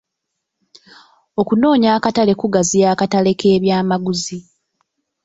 Okunoonya akatale kugaziya akatale k'ebyamaguzi.